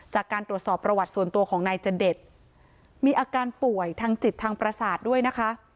จากการตรวจสอบประวัติส่วนตัวของนายจเดชมีอาการป่วยทางจิตทางประสาทด้วยนะคะ